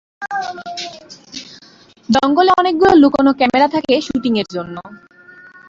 জঙ্গলে অনেকগুলো লুকানো ক্যামেরা থাকে শুটিং এর জন্য।